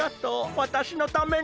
わたしのために。